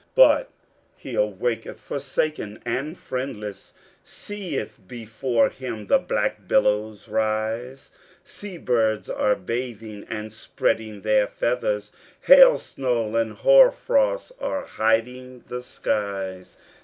But he awaketh, forsaken and friendless, Seeth before him the black billows rise, Seabirds are bathing and spreading their feathers, Hailsnow and hoar frost are hiding the skies.